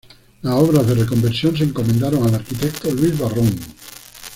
Las obras de reconversión se encomendaron al arquitecto Luis Barrón.